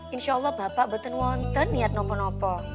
insya allah bapak beten weten lihat apa apa